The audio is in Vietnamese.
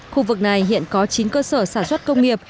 khu vực này hiện có chín cơ sở sản xuất công nghiệp